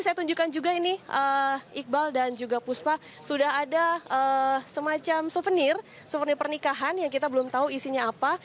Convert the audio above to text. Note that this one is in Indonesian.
saya tunjukkan juga ini iqbal dan juga puspa sudah ada semacam souvenir souvenir pernikahan yang kita belum tahu isinya apa